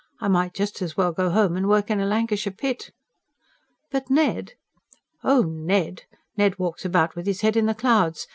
I might just as well go home and work in a Lancashire pit." "But Ned " "Oh, Ned! Ned walks about with his head in the clouds.